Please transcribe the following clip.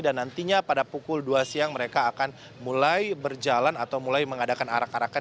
dan nantinya pada pukul dua siang mereka akan mulai berjalan atau mulai mengadakan arak arakan